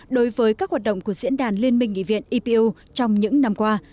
đối với các hoạt động của diễn đàn liên minh nghị viện ipu trong những năm qua